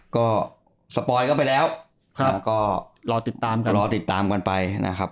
ก็สปอยด์ก็ไปแล้วรอติดตามกันไปนะครับ